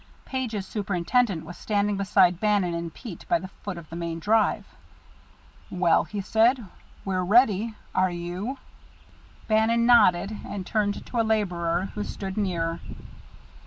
Page's superintendent was standing beside Bannon and Pete by the foot of the main drive. "Well," he said, "we're ready. Are you?" Bannon nodded and turned to a laborer who stood near.